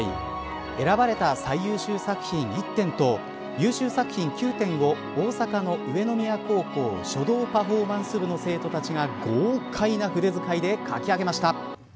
選ばれた最優秀作品１点と優秀作品９点を大阪の上宮高校書道パフォーマンス部の生徒たちが豪快な筆使いで書き上げました。